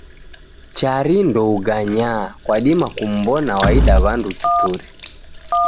Chari ndouganyaa, kwadima kumbona waida w'andu kituri.